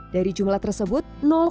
dari jumlah tersebut